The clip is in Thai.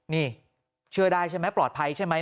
นี่เชื่อได้ใช่ไหมปลอดภัยใช่ไหม